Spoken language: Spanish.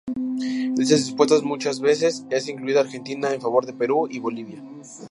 En dichas disputas muchas veces es incluida Argentina en favor de Perú y Bolivia.